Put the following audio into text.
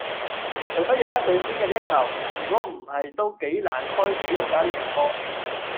除非有一隊先入一球,如果唔係都幾難開到紀錄啦呢場波